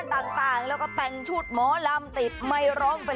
มอลำคลายเสียงมาแล้วมอลำคลายเสียงมาแล้ว